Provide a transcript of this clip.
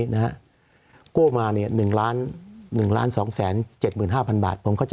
สวัสดีครับทุกคน